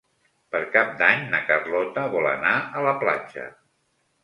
Per Cap d'Any na Carlota vol anar a la platja.